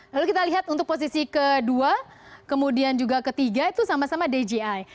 lalu kita lihat untuk posisi kedua kemudian juga ketiga itu sama sama dgi